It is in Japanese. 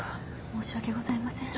申し訳ございません。